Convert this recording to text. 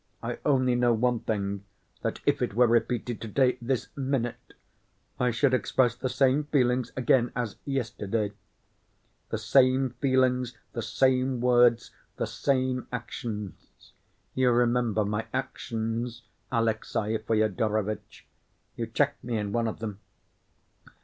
I only know one thing, that if it were repeated to‐day, this minute, I should express the same feelings again as yesterday—the same feelings, the same words, the same actions. You remember my actions, Alexey Fyodorovitch; you checked me in one of them"